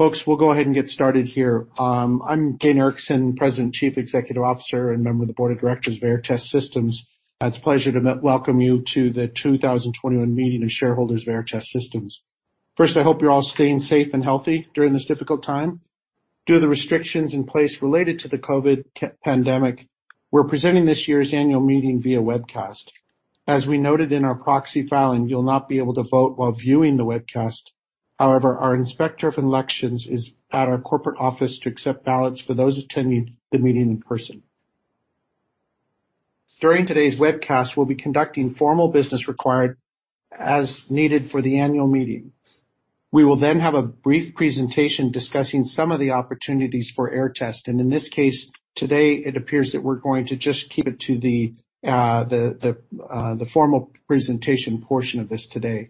Folks, we'll go ahead and get started here. I'm Gayn Erickson, President, Chief Executive Officer, and Member of the Board of Directors of Aehr Test Systems. It's a pleasure to welcome you to the 2021 meeting of shareholders of Aehr Test Systems. First, I hope you're all staying safe and healthy during this difficult time. Due to the restrictions in place related to the COVID pandemic, we're presenting this year's annual meeting via webcast. As we noted in our proxy filing, you'll not be able to vote while viewing the webcast. However, our Inspector of Elections is at our corporate office to accept ballots for those attending the meeting in person. During today's webcast, we'll be conducting formal business required as needed for the annual meeting. We will then have a brief presentation discussing some of the opportunities for Aehr Test, and in this case, today, it appears that we're going to just keep it to the formal presentation portion of this today.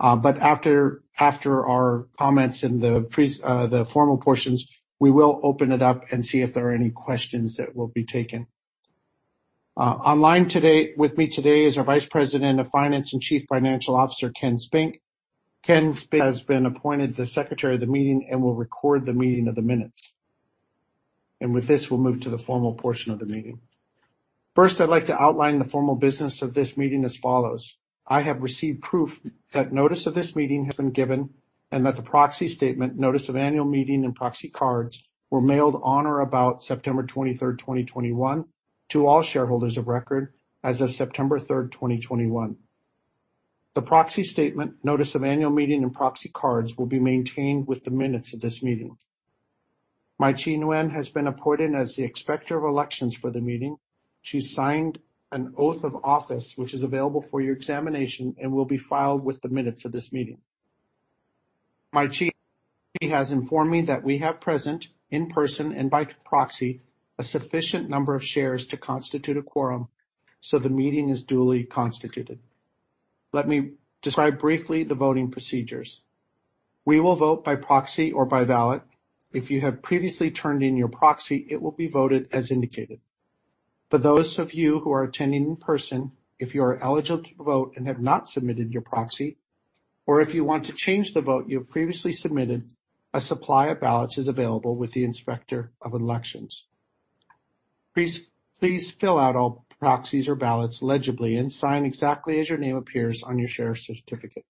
After our comments and the formal portions, we will open it up and see if there are any questions that will be taken. Online with me today is our Vice President of Finance and Chief Financial Officer, Ken Spink. Ken has been appointed the Secretary of the meeting and will record the meeting of the minutes. With this, we'll move to the formal portion of the meeting. First, I'd like to outline the formal business of this meeting as follows. I have received proof that notice of this meeting has been given and that the proxy statement, notice of annual meeting, and proxy cards were mailed on or about September 23rd, 2021, to all shareholders of record as of September 3rd, 2021. The proxy statement, notice of annual meeting, and proxy cards will be maintained with the minutes of this meeting. Mai-Chi Nguyen has been appointed as the Inspector of Elections for the meeting. She signed an oath of office, which is available for your examination and will be filed with the minutes of this meeting. Mai-Chi has informed me that we have present, in person and by proxy, a sufficient number of shares to constitute a quorum, so the meeting is duly constituted. Let me describe briefly the voting procedures. We will vote by proxy or by ballot. If you have previously turned in your proxy, it will be voted as indicated. For those of you who are attending in person, if you are eligible to vote and have not submitted your proxy, or if you want to change the vote you have previously submitted, a supply of ballots is available with the Inspector of Elections. Please fill out all proxies or ballots legibly and sign exactly as your name appears on your share certificate.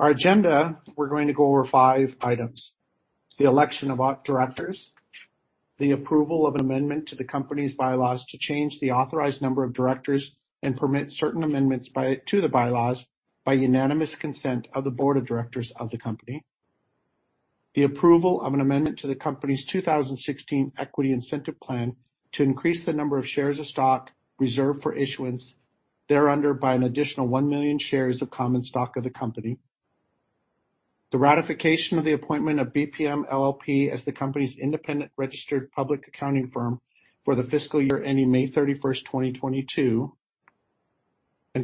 Our agenda, we're going to go over five items. The election of directors, the approval of an amendment to the company's bylaws to change the authorized number of directors and permit certain amendments to the bylaws by unanimous consent of the Board of Directors of the company. The approval of an amendment to the company's 2016 Equity Incentive Plan to increase the number of shares of stock reserved for issuance thereunder by an additional 1 million shares of common stock of the company. The ratification of the appointment of BPM LLP as the company's independent registered public accounting firm for the fiscal year ending May 31st, 2022.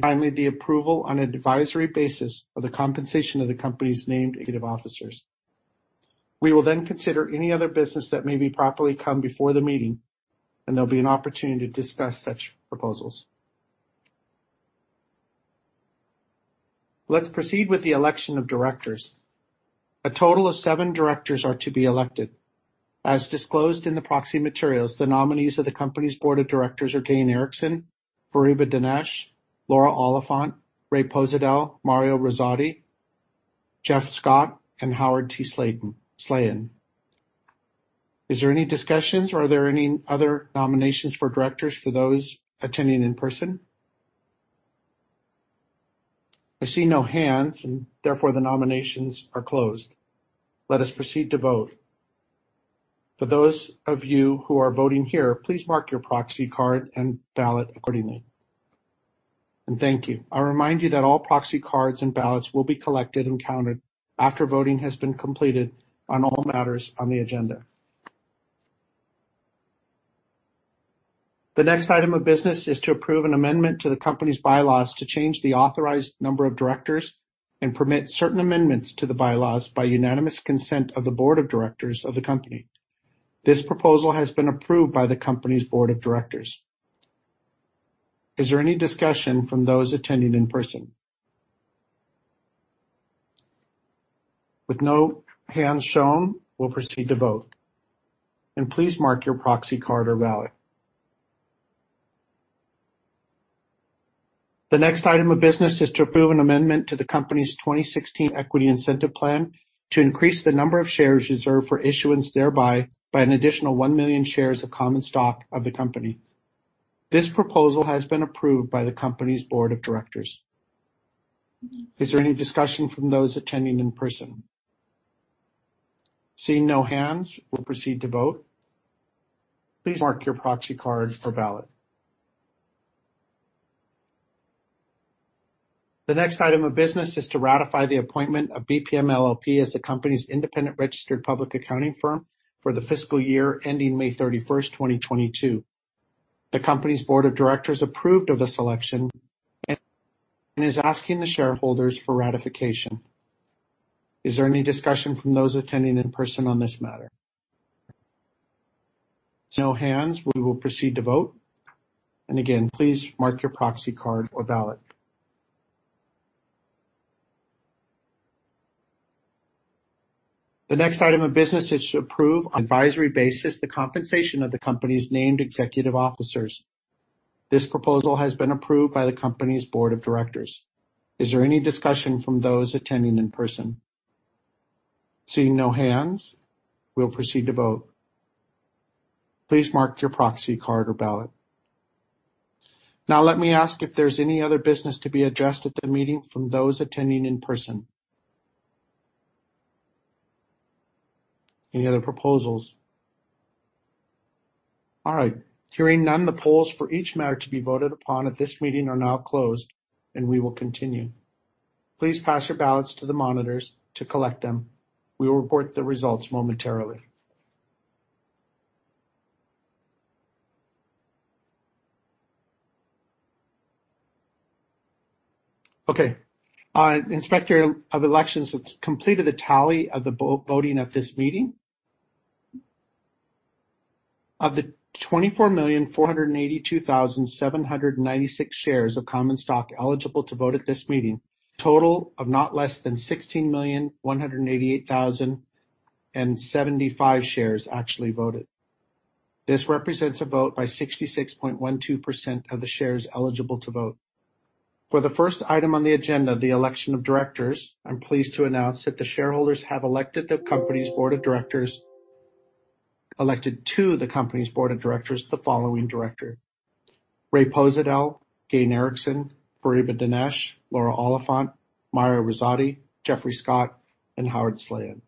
Finally, the approval on an advisory basis of the compensation of the company's named executive officers. We will then consider any other business that may properly come before the meeting, and there'll be an opportunity to discuss such proposals. Let's proceed with the election of directors. A total of seven directors are to be elected. As disclosed in the proxy materials, the nominees of the company's Board of Directors are Gayn Erickson, Fariba Danesh, Laura Oliphant, Rhea J. Posedel, Mario M. Rosati, Geoffrey Scott, and Howard T. Slayen. Is there any discussions or are there any other nominations for directors for those attending in person? I see no hands and therefore the nominations are closed. Let us proceed to vote. For those of you who are voting here, please mark your proxy card and ballot accordingly. Thank you. I remind you that all proxy cards and ballots will be collected and counted after voting has been completed on all matters on the agenda. The next item of business is to approve an amendment to the company's bylaws to change the authorized number of directors and permit certain amendments to the bylaws by unanimous consent of the Board of Directors of the company. This proposal has been approved by the company's Board of Directors. Is there any discussion from those attending in person? With no hands shown, we'll proceed to vote. Please mark your proxy card or ballot. The next item of business is to approve an amendment to the company's 2016 Equity Incentive Plan to increase the number of shares reserved for issuance thereby by an additional 1 million shares of common stock of the company. This proposal has been approved by the company's Board of Directors. Is there any discussion from those attending in person? Seeing no hands, we'll proceed to vote. Please mark your proxy card or ballot. The next item of business is to ratify the appointment of BPM LLP as the company's independent registered public accounting firm for the fiscal year ending May 31st, 2022. The company's Board of Directors approved of the selection and is asking the shareholders for ratification. Is there any discussion from those attending in person on this matter? No hands. We will proceed to vote. Again, please mark your proxy card or ballot. The next item of business is to approve on advisory basis the compensation of the company's named executive officers. This proposal has been approved by the company's Board of Directors. Is there any discussion from those attending in person? Seeing no hands, we will proceed to vote. Please mark your proxy card or ballot. Let me ask if there's any other business to be addressed at the meeting from those attending in person. Any other proposals? All right. Hearing none, the polls for each matter to be voted upon at this meeting are now closed. We will continue. Please pass your ballots to the monitors to collect them. We will report the results momentarily. Okay, our Inspector of Elections has completed the tally of the voting at this meeting. Of the 24,482,796 shares of common stock eligible to vote at this meeting, total of not less than 16,188,075 shares actually voted. This represents a vote by 66.12% of the shares eligible to vote. For the first item on the agenda, the election of directors, I'm pleased to announce that the shareholders have elected to the company's board of directors, the following director: Rhea J. Posedel, Gayn Erickson, Fariba Danesh, Laura Oliphant, Mario M. Rosati, Geoffrey Scott, and Howard T. Slayen.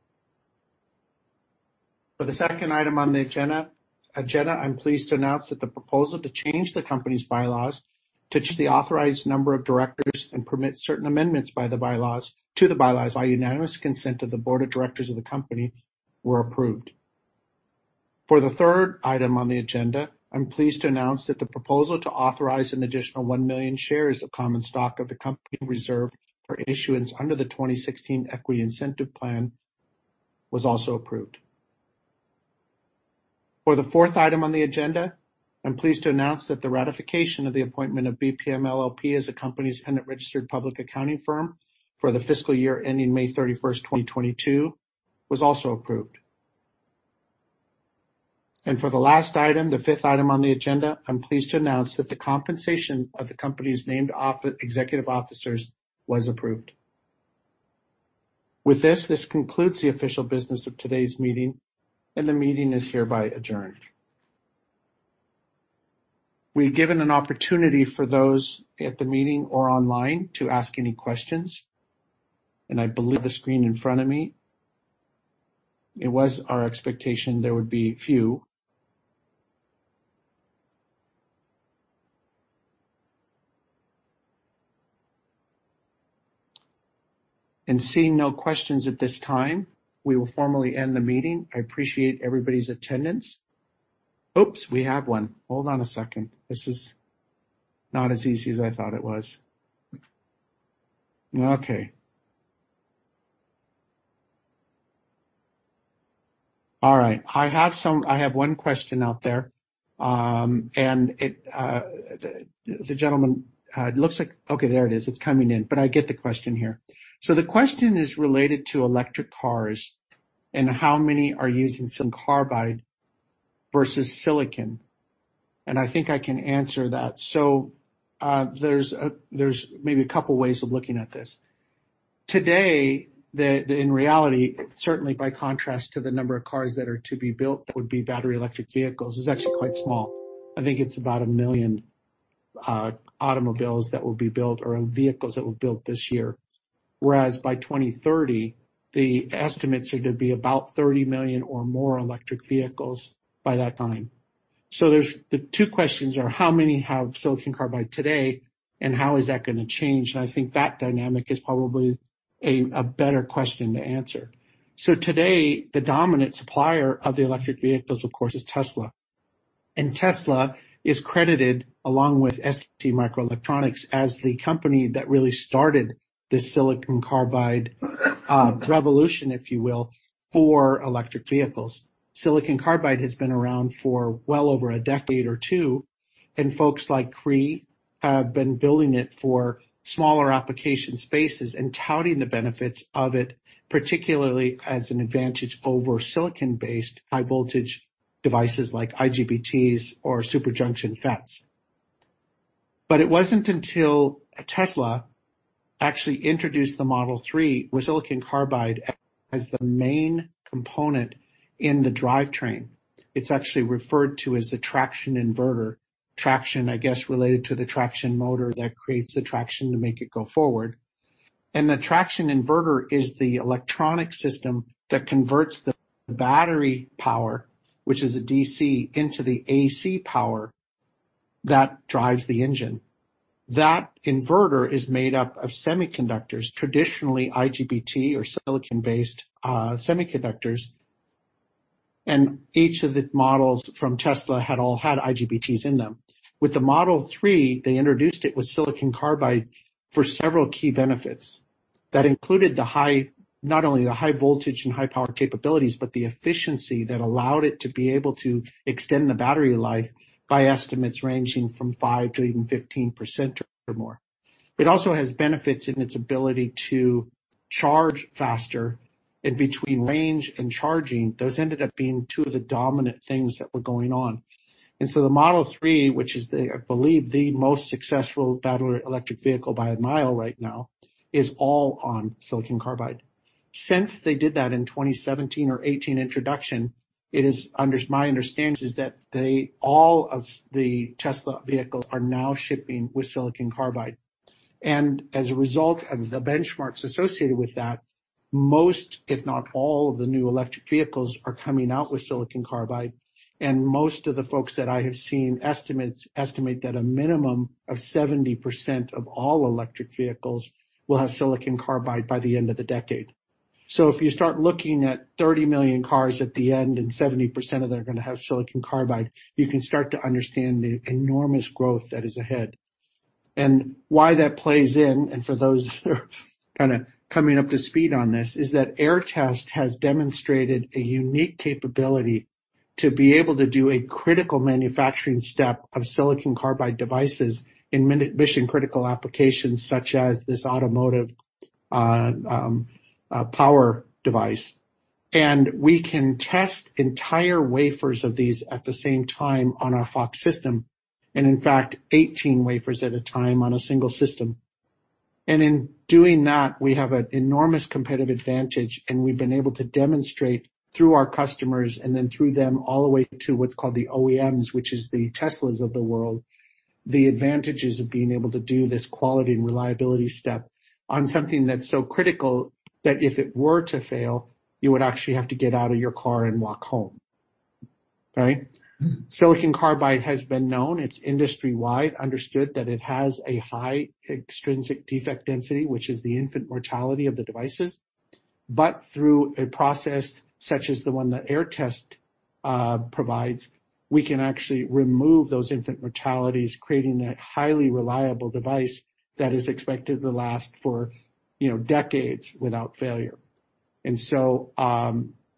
For the second item on the agenda, I'm pleased to announce that the proposal to change the company's bylaws to change the authorized number of directors and permit certain amendments to the bylaws by unanimous consent of the board of directors of the company were approved. For the third item on the agenda, I'm pleased to announce that the proposal to authorize an additional 1 million shares of common stock of the company reserved for issuance under the 2016 Equity Incentive Plan was also approved. For the fourth item on the agenda, I'm pleased to announce that the ratification of the appointment of BPM LLP as the company's independent registered public accounting firm for the fiscal year ending May 31st, 2022 was also approved. For the last item, the fifth item on the agenda, I'm pleased to announce that the compensation of the company's named executive officers was approved. With this concludes the official business of today's meeting, and the meeting is hereby adjourned. We're given an opportunity for those at the meeting or online to ask any questions. I believe the screen in front of me, it was our expectation there would be few. Seeing no questions at this time, we will formally end the meeting. I appreciate everybody's attendance. Oops, we have one. Hold on a second. This is not as easy as I thought it was. Okay. All right. I have one question out there. Okay, there it is. It's coming in. I get the question here. The question is related to electric cars and how many are using silicon carbide versus silicon. I think I can answer that. There's maybe a couple of ways of looking at this. Today, in reality, certainly by contrast to the number of cars that are to be built that would be battery electric vehicles, is actually quite small. I think it's about a million automobiles that will be built or vehicles that were built this year. Whereas by 2030, the estimates are to be about 30 million or more electric vehicles by that time. The two questions are how many have silicon carbide today, and how is that going to change? I think that dynamic is probably a better question to answer. Today, the dominant supplier of the electric vehicles, of course, is Tesla. Tesla is credited, along with STMicroelectronics, as the company that really started this silicon carbide revolution, if you will, for electric vehicles. Silicon carbide has been around for well over a decade or two, and folks like Cree have been building it for smaller application spaces and touting the benefits of it, particularly as an advantage over silicon-based high voltage devices like IGBTs or superjunction FETs. It wasn't until Tesla actually introduced the Model 3 with silicon carbide as the main component in the drivetrain. It's actually referred to as the traction inverter. Traction, I guess, related to the traction motor that creates the traction to make it go forward. The traction inverter is the electronic system that converts the battery power, which is a DC, into the AC power that drives the engine. That inverter is made up of semiconductors, traditionally IGBT or silicon-based semiconductors, and each of the models from Tesla had all had IGBTs in them. With the Model 3, they introduced it with silicon carbide for several key benefits. That included not only the high voltage and high-power capabilities, but the efficiency that allowed it to be able to extend the battery life by estimates ranging from 5%-15% or more. It also has benefits in its ability to charge faster. Between range and charging, those ended up being two of the dominant things that were going on. The Model 3, which is, I believe, the most successful battery electric vehicle by a mile right now, is all on silicon carbide. Since they did that in 2017 or 2018 introduction, it is under my understanding is that all of the Tesla vehicles are now shipping with silicon carbide. As a result of the benchmarks associated with that, most if not all of the new electric vehicles are coming out with silicon carbide. Most of the folks that I have seen estimate that a minimum of 70% of all electric vehicles will have silicon carbide by the end of the decade. If you start looking at 30 million cars at the end, and 70% of them are going to have silicon carbide, you can start to understand the enormous growth that is ahead. Why that plays in, and for those that are kind of coming up to speed on this, is that Aehr Test has demonstrated a unique capability to be able to do a critical manufacturing step of silicon carbide devices in mission-critical applications, such as this automotive power device. We can test entire wafers of these at the same time on our FOX system, and in fact, 18 wafers at a time on a single system. In doing that, we have an enormous competitive advantage, and we've been able to demonstrate through our customers and then through them all the way to what's called the OEMs, which is the Teslas of the world, the advantages of being able to do this quality and reliability step on something that's so critical that if it were to fail, you would actually have to get out of your car and walk home. Right? silicon carbide has been known, it's industry-wide understood that it has a high extrinsic defect density, which is the infant mortality of the devices. Through a process such as the one that Aehr Test provides, we can actually remove those infant mortalities, creating a highly reliable device that is expected to last for decades without failure.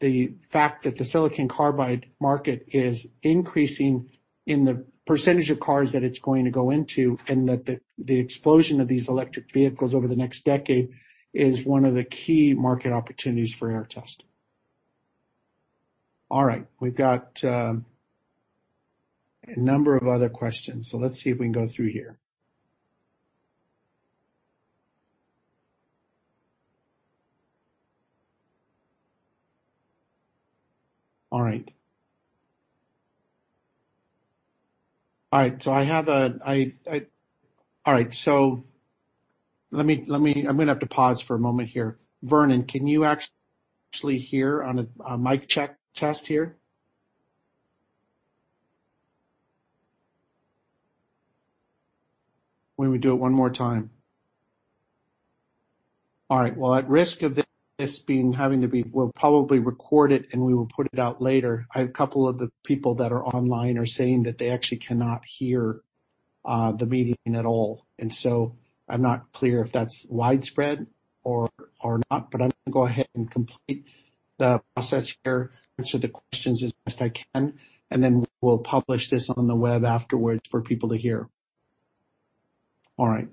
The fact that the silicon carbide market is increasing in the percentage of cars that it's going to go into, and that the explosion of these electric vehicles over the next decade is one of the key market opportunities for Aehr Test. All right. We've got a number of other questions, so let's see if we can go through here. All right. All right. Let me have to pause for a moment here. Vernon, can you actually hear on a mic check test here? Why don't we do it one more time. All right. Well, at risk of this having to be, we'll probably record it, and we will put it out later. A couple of the people that are online are saying that they actually cannot hear the meeting at all. I'm not clear if that's widespread or not, but I'm going to go ahead and complete the process here, answer the questions as best I can, and then we'll publish this on the web afterwards for people to hear. All right.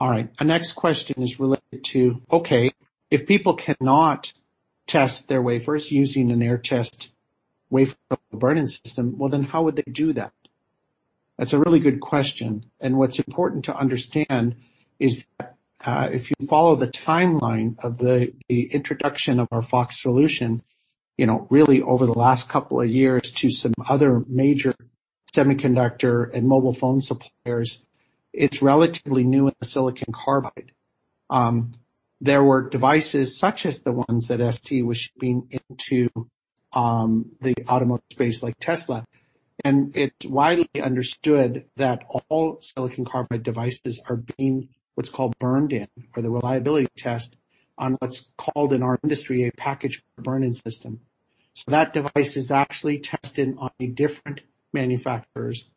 All right. Our next question is related to, okay, if people cannot test their wafers using an Aehr Test wafer burn-in system, well then how would they do that? That's a really good question. What's important to understand is that, if you follow the timeline of the introduction of our FOX solution really over the last couple of years to some other major semiconductor and mobile phone suppliers, it's relatively new in the silicon carbide. There were devices such as the ones that ST was shipping into the automotive space like Tesla. It's widely understood that all silicon carbide devices are being what's called burned in for the reliability test on what's called in our industry a package burn-in system. That device is actually tested on a different manufacturer's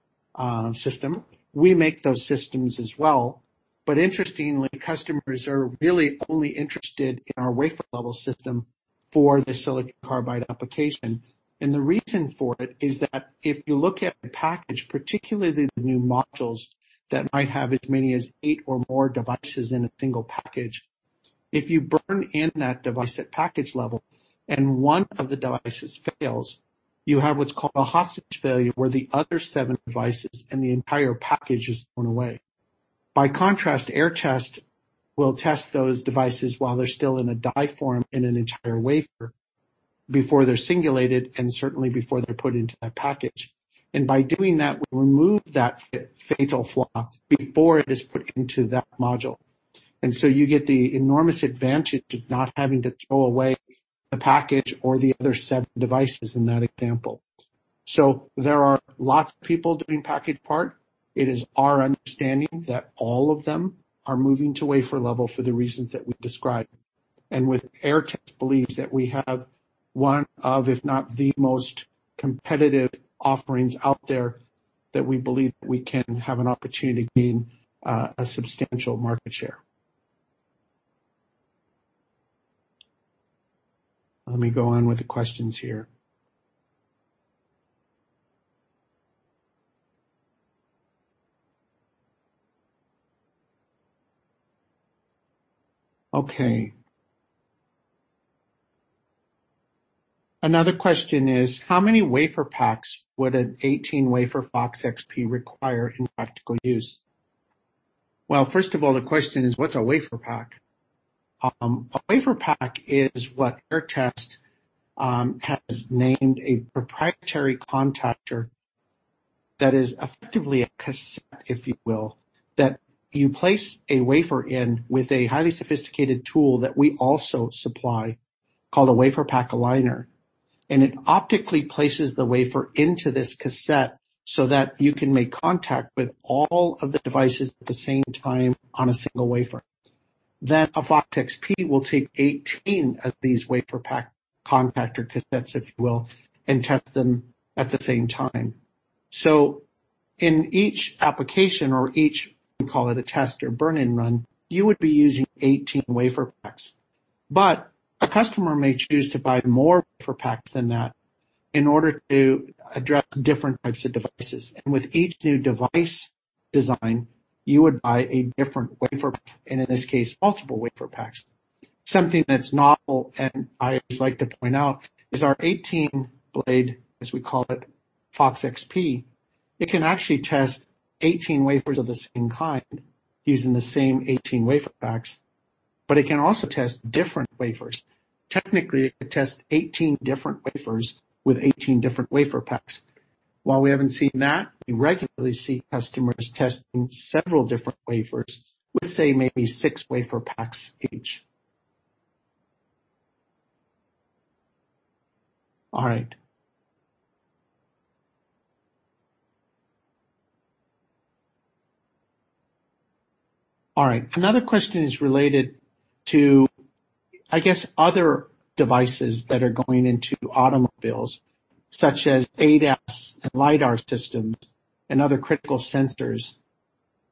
system. We make those systems as well. Interestingly, customers are really only interested in our wafer-level system for the silicon carbide application. The reason for it is that if you look at a package, particularly the new modules that might have as many as eight or more devices in a single package, if you burn in that device at package level and one of the devices fails, you have what's called a hostage failure, where the other seven devices and the entire package is thrown away. By contrast, Aehr Test will test those devices while they're still in a die form in an entire wafer before they're singulated and certainly before they're put into that package. By doing that, we remove that fatal flaw before it is put into that module. So you get the enormous advantage of not having to throw away the package or the other seven devices in that example. There are lots of people doing package burn-in. It is our understanding that all of them are moving to wafer level for the reasons that we've described. With Aehr Test believes that we have one of, if not the most competitive offerings out there that we believe we can have an opportunity to gain a substantial market share. Let me go on with the questions here. Okay. Another question is, how many WaferPaks would an 18-wafer FOX-XP require in practical use? Well, first of all, the question is, what's a WaferPak? A WaferPak is what Aehr Test has named a proprietary contactor that is effectively a cassette, if you will, that you place a wafer in with a highly sophisticated tool that we also supply, called a WaferPak Aligner. It optically places the wafer into this cassette so that you can make contact with all of the devices at the same time on a single wafer. A FOX-XP will take 18 of these WaferPak contactor cassettes, if you will, and test them at the same time. In each application or each, we call it a test or burn-in run, you would be using 18 WaferPaks. A customer may choose to buy more WaferPaks than that in order to address different types of devices. With each new device design, you would buy a different WaferPak, and in this case, multiple WaferPaks. Something that's novel, and I always like to point out, is our 18-blade, as we call it, FOX-XP. It can actually test 18 wafers of the same kind using the same 18 WaferPaks, but it can also test different wafers. Technically, it could test 18 different wafers with 18 different WaferPaks. While we haven't seen that, we regularly see customers testing several different wafers with, say, maybe six WaferPaks each. All right. All right. Another question is related to, I guess, other devices that are going into automobiles, such as ADAS and LiDAR systems and other critical sensors.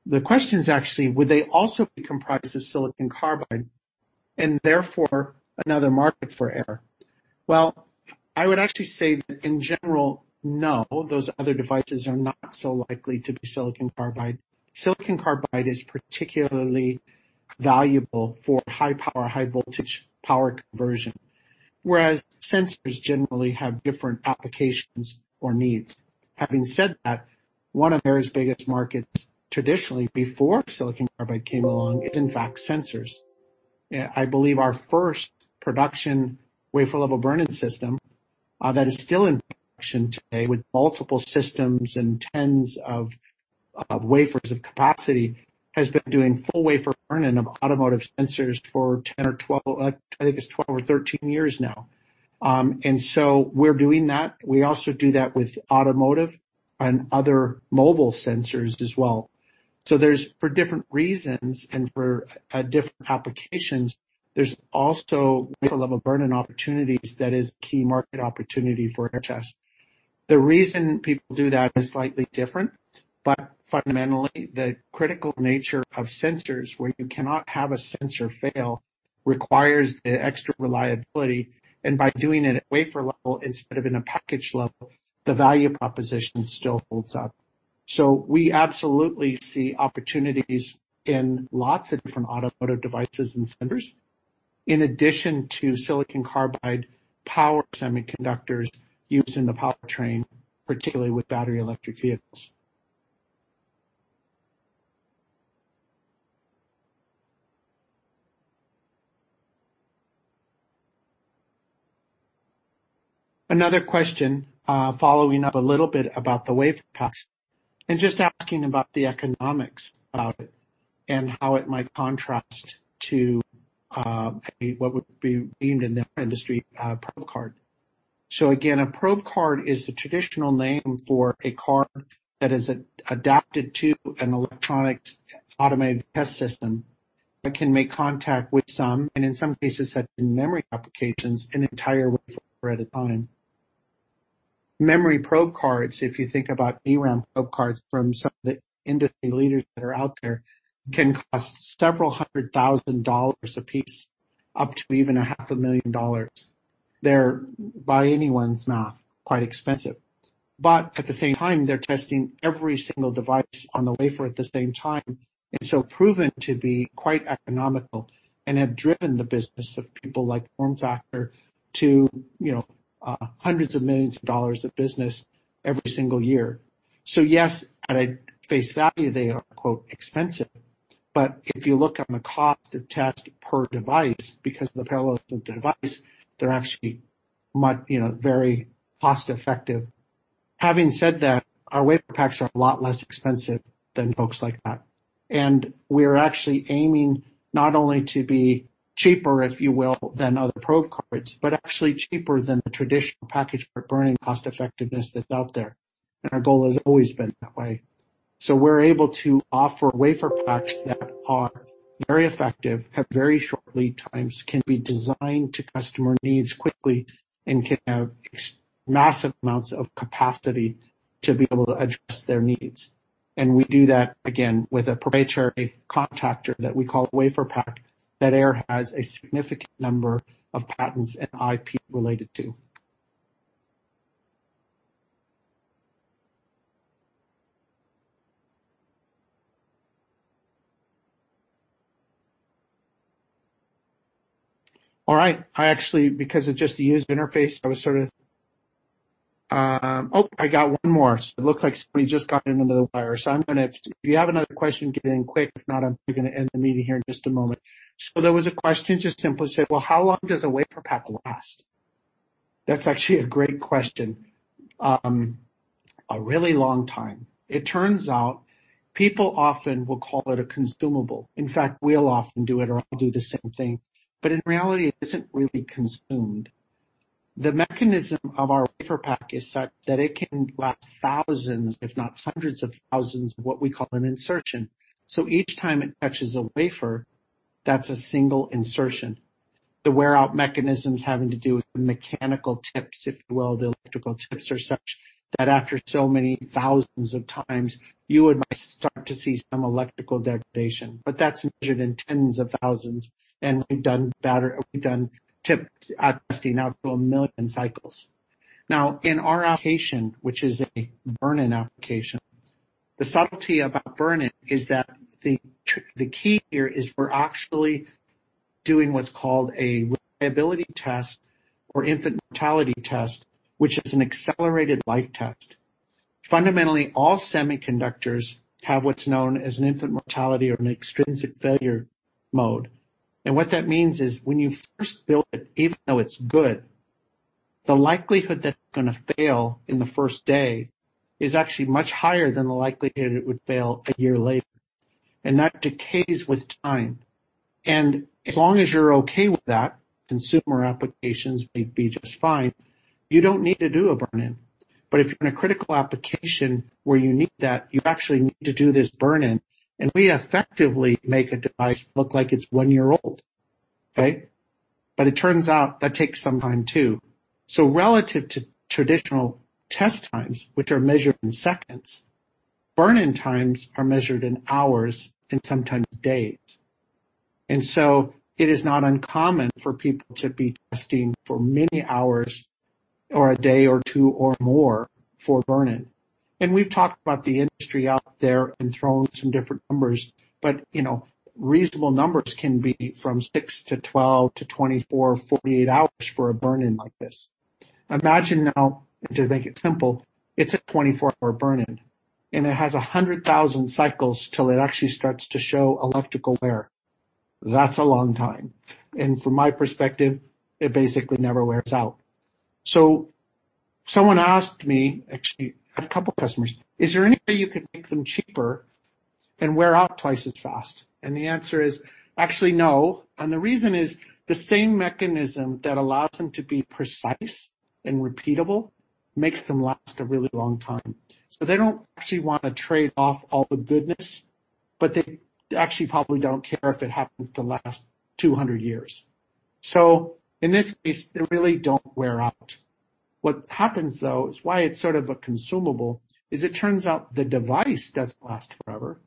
The question is actually, would they also be comprised of silicon carbide and therefore another market for Aehr? Well, I would actually say that in general, no, those other devices are not so likely to be silicon carbide. Silicon carbide is particularly valuable for high power, high voltage power conversion, whereas sensors generally have different applications or needs. Having said that, one of Aehr's biggest markets traditionally before silicon carbide came along is in fact sensors. I believe our first production wafer-level burn-in system, that is still in production today with multiple systems and tens of wafers of capacity, has been doing full wafer burn-in of automotive sensors for 10 or 12, I think it's 12 or 13 years now. We're doing that. We also do that with automotive and other mobile sensors as well. There's for different reasons and for different applications, there's also wafer-level burn-in opportunities that is a key market opportunity for Aehr Test. The reason people do that is slightly different, but fundamentally, the critical nature of sensors, where you cannot have a sensor fail, requires the extra reliability, and by doing it at wafer-level instead of in a package-level, the value proposition still holds up. We absolutely see opportunities in lots of different automotive devices and sensors, in addition to silicon carbide power semiconductors used in the powertrain, particularly with battery electric vehicles. Another question, following up a little bit about the WaferPaks and just asking about the economics of it and how it might contrast to what would be deemed in their industry a probe card. Again, a probe card is the traditional name for a card that is adapted to an electronics automated test system that can make contact with some, and in some cases, such as in memory applications, an entire wafer at a time. Memory probe cards, if you think about DRAM probe cards from some of the industry leaders that are out there, can cost several hundred thousand a piece, up to even half a million dollars. They're, by anyone's math, quite expensive. At the same time, they're testing every single device on the wafer at the same time, and so proven to be quite economical and have driven the business of people like FormFactor to hundreds of millions of business every single year. Yes, at face value, they are quote, "expensive." If you look on the cost of test per device, because of the parallelism per device, they're actually very cost-effective. Having said that, our WaferPaks are a lot less expensive than folks like that. We're actually aiming not only to be cheaper, if you will, than other probe cards, but actually cheaper than the traditional package for burn-in cost effectiveness that's out there. Our goal has always been that way. We're able to offer WaferPaks that are very effective, have very short lead times, can be designed to customer needs quickly, and can have massive amounts of capacity to be able to address their needs. We do that, again, with a proprietary contactor that we call WaferPak, that Aehr has a significant number of patents and IP related to. All right. I actually, because it just used interface, I was sort of I got one more. It looks like somebody just got in under the wire. I'm going to, if you have another question, get in quick. If not, I'm going to end the meeting here in just a moment. There was a question just simply said, "Well, how long does a WaferPak last?" That's actually a great question. A really long time. It turns out people often will call it a consumable. In fact, we'll often do it, or I'll do the same thing. In reality, it isn't really consumed. The mechanism of our WaferPak is such that it can last thousands, if not hundreds of thousands of what we call an insertion. Each time it touches a wafer, that's a single insertion. The wear-out mechanism's having to do with mechanical tips, if you will. The electrical tips are such that after so many thousands of times, you would start to see some electrical degradation. That's measured in tens of thousands, and we've done better. We've done tip testing now up to 1 million cycles. In our application, which is a burn-in application, the subtlety about burn-in is that the key here is we're actually doing what's called a reliability test or infant mortality test, which is an accelerated life test. Fundamentally, all semiconductors have what's known as an infant mortality or an extrinsic defect density. What that means is when you first build it, even though it's good, the likelihood that it's going to fail in the first day is actually much higher than the likelihood it would fail a year later. That decays with time. As long as you're okay with that, consumer applications may be just fine. You don't need to do a burn-in. If you're in a critical application where you need that, you actually need to do this burn-in, and we effectively make a device look like it's one year old. Okay. It turns out that takes some time, too. Relative to traditional test times, which are measured in seconds, burn-in times are measured in hours and sometimes days. It is not uncommon for people to be testing for many hours or a day or two or more for burn-in. We've talked about the industry out there and thrown some different numbers, but reasonable numbers can be from six to 12-24,48 hours for a burn-in like this. Imagine now, to make it simple, it's a 24-hour burn-in, and it has 100,000 cycles till it actually starts to show electrical wear. That's a long time. From my perspective, it basically never wears out. Someone asked me, actually, a couple customers, "Is there any way you could make them cheaper and wear out twice as fast?" The answer is actually no. The reason is the same mechanism that allows them to be precise and repeatable makes them last a really long time. They don't actually want to trade off all the goodness, but they actually probably don't care if it happens to last 200 years. In this case, they really don't wear out. What happens, though, is why it's sort of a consumable, is it turns out the device doesn't last forever.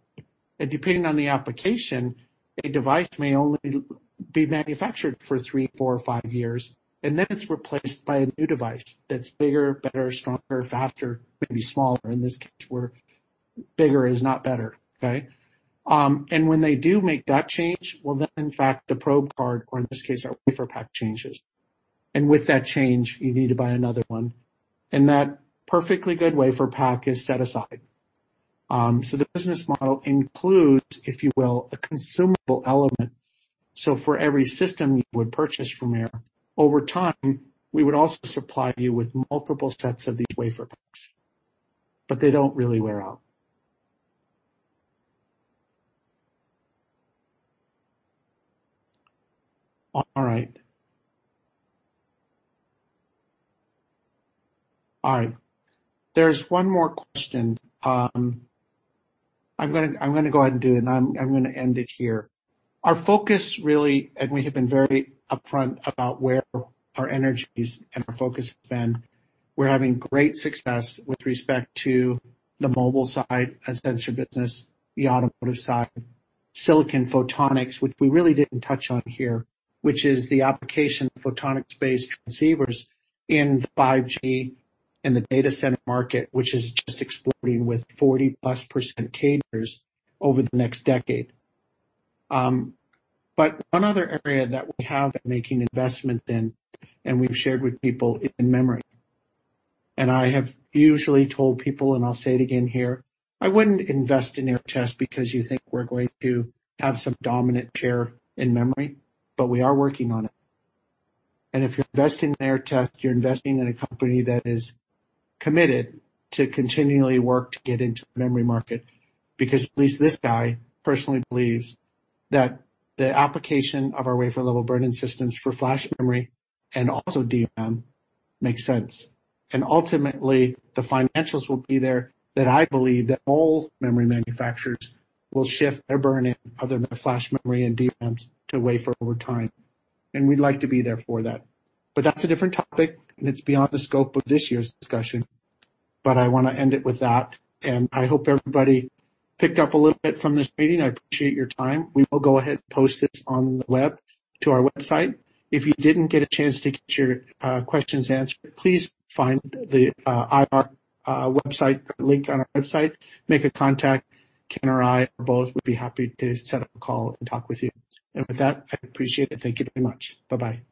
Depending on the application, a device may only be manufactured for three, four, or five years, and then it's replaced by a new device that's bigger, better, stronger, faster, maybe smaller, in this case, where bigger is not better. Okay? When they do make that change, well, then, in fact, the probe card, or in this case, our WaferPak changes. With that change, you need to buy another one. That perfectly good WaferPak is set aside. The business model includes, if you will, a consumable element. For every system you would purchase from Aehr, over time, we would also supply you with multiple sets of these WaferPaks. They don't really wear out. All right. There's one more question. I'm going to go ahead and do it, and I'm going to end it here. Our focus, really, and we have been very upfront about where our energies and our focus has been. We're having great success with respect to the mobile side, our sensor business, the automotive side, silicon photonics, which we really didn't touch on here, which is the application of photonics-based transceivers in the 5G and the data center market, which is just exploding with 40%+ CAGRs over the next decade. One other area that we have been making investment in, and we've shared with people, is in memory. I have usually told people, and I'll say it again here, I wouldn't invest in Aehr Test because you think we're going to have some dominant share in memory, but we are working on it. If you invest in Aehr Test, you're investing in a company that is committed to continually work to get into the memory market. Because at least this guy personally believes that the application of our wafer-level burn-in systems for flash memory and also DRAM makes sense. Ultimately, the financials will be there that I believe that all memory manufacturers will shift their burn-in, other than flash memory and DRAMs, to wafer over time. We'd like to be there for that. That's a different topic, and it's beyond the scope of this year's discussion. I want to end it with that, and I hope everybody picked up a little bit from this meeting. I appreciate your time. We will go ahead and post this on the web to our website. If you didn't get a chance to get your questions answered, please find the IR website link on our website. Make a contact. Ken or I, or both, would be happy to set up a call and talk with you. With that, I appreciate it. Thank you very much. Bye-bye.